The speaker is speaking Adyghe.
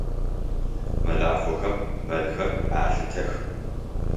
Мэлахъохэм мэлхэр алъытэх.